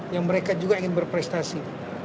yang mereka juga ingin berprestasi